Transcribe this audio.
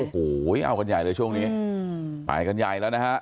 โอ้โหเอากันใหญ่เลยช่วงนี้ไปกันใหญ่แล้วนะฮะ